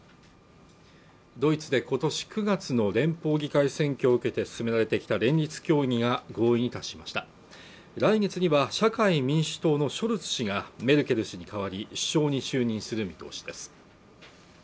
ドイツでことし９月の連邦議会選挙を受けて進められてきた連立協議が合意に達しました来月には社会民主党のショルツ氏がメルケル氏に代わり首相に就任する見通しです